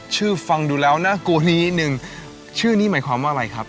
ฟังดูแล้วน่ากลัวนิดนึงชื่อนี้หมายความว่าอะไรครับ